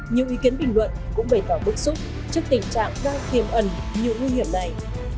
nhiều ý kiến bình luận cũng bày tỏ bức xúc trước tình trạng đang thiềm ẩn như nguy hiểm này